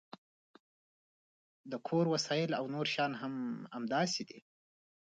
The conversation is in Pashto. د کور وسایل او نور شیان هم همداسې دي